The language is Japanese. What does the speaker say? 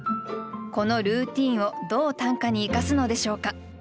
このルーティーンをどう短歌に生かすのでしょうか。